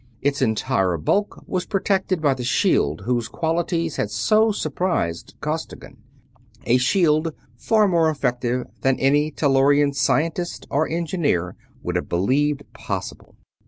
Its entire bulk was protected by the shield whose qualities had so surprised Costigan; a shield far more effective than any Tellurian scientist or engineer would have believed possible.